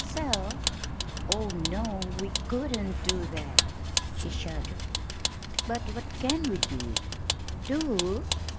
sell? Oh, no, we couldn't do that!" she shuddered. "But what can we do?" "Do?